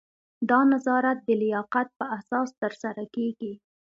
دا نظارت د لیاقت په اساس ترسره کیږي.